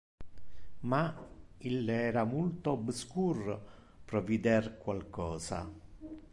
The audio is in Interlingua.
Ma il era multo obscur pro vider qualcosa.